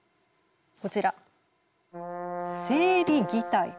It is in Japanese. こちら生理擬態。